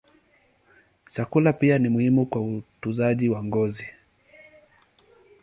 Chakula pia ni muhimu kwa utunzaji wa ngozi.